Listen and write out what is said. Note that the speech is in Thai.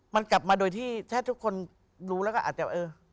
มันกลับมาโดยที่ถ้าทุกคนรู้แล้วก็อาจจะเออ